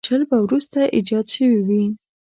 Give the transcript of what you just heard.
شل به وروسته ایجاد شوي وي.